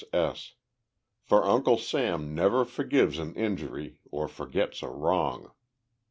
S. S. S. For Uncle Sam never forgives an injury or forgets a wrong.